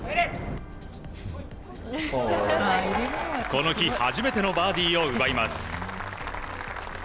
この日初めてのバーディーを奪います。